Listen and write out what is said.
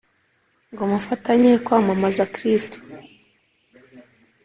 ngo mufatanye kwamamaza kristu